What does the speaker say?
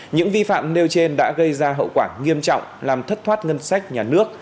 những vi phạm nêu trên đã gây ra hậu quả nghiêm trọng làm thất thoát ngân sách nhà nước